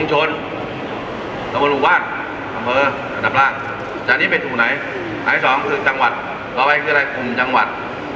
ตรงบริวารดำเผอดำราคจากนี้ไปถูกไหนไหนที่สองคือจังหวัดต่อไปคืออะไรคุมจังหวัด